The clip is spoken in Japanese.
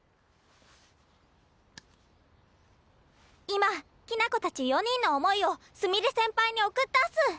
今きな子たち４人の想いをすみれ先輩に送ったっす。